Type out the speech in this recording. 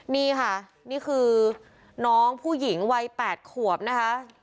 นี่ค่ะนี่คือน้องผู้หญิงวัย๘ขวบนะคะ